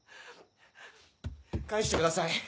返してください。